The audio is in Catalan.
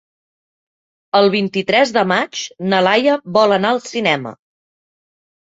El vint-i-tres de maig na Laia vol anar al cinema.